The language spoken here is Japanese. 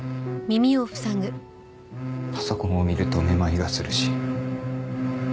パソコンを見ると目まいがするし。